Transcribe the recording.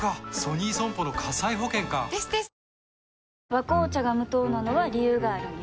「和紅茶」が無糖なのは、理由があるんよ。